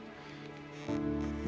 ibu ngapain kesini